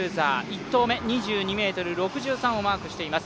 １投目２２ｍ６３をマークしています。